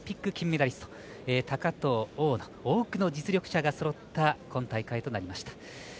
オリンピック金メダリスト高藤、大野多くの実力者がそろった今大会となりました。